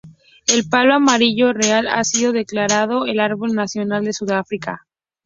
El palo amarillo real ha sido declarado el árbol nacional de Sudáfrica.